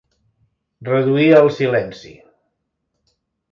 Reduir al silenci.